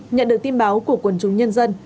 nhận được tin báo của quần chúng nhân dân